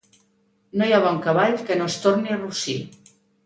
No hi ha bon cavall que no es torni rossí.